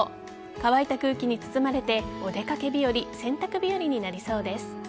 乾いた空気に包まれてお出かけ日和洗濯日和になりそうです。